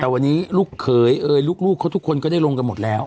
แต่วันนี้ลูกเขยเอ่ยลูกเขาทุกคนก็ได้ลงกันหมดแล้ว